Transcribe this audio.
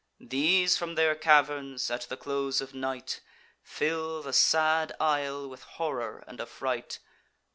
These from their caverns, at the close of night, Fill the sad isle with horror and affright.